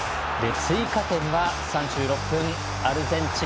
追加点は３６分アルゼンチン。